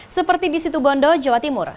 seperti di situbondo jawa timur